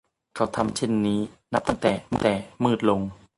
เขาทำเช่นนี้นับตั้งแต่มืดลง